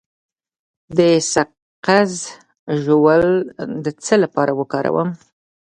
د سقز ژوول د څه لپاره وکاروم؟